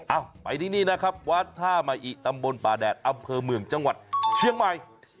เอาไปที่นี่นะครับวัดท่ามะอิตำบลป่าแดดอำเภอเมืองจังหวัดเชียงใหม่